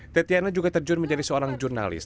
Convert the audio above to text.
tetiana juga terjun menjadi seorang jurnalis